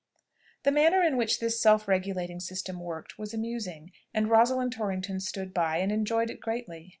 The manner in which this self regulating system worked was amusing, and Rosalind Torrington stood by, and enjoyed it greatly.